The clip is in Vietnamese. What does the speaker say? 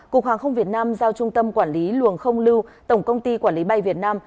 cục hàng không việt nam giao trung tâm quản lý luồng không lưu tổng công ty quản lý bay việt nam